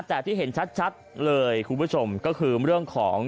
แต่ที่เห็นชัดเลยคุณผู้ชมก็คือเรื่องของ